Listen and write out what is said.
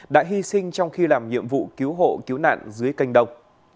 đã hy sinh trong khi làm nhiệm vụ cứu hộ cứu nạn dưới canh đồng